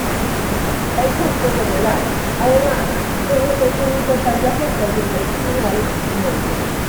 Es justo señalar, además, que junto con importante aportación doctrinal, mons.